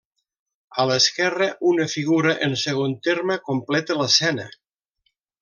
A l'esquerre una figura en segon terme completa l'escena.